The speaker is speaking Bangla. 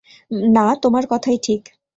না, তোমার কথাই ঠিক।